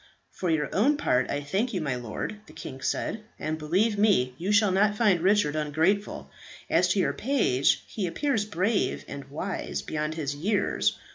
"For your own part I thank you, my lord," the king said, "and, believe me, you shall not find Richard ungrateful. As to your page, he appears brave and wise beyond his years.